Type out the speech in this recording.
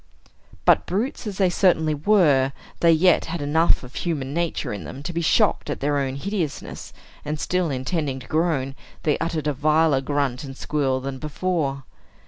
But brutes as they certainly were, they yet had enough of human nature in them to be shocked at their own hideousness; and still intending to groan, they uttered a viler grunt and squeal than before.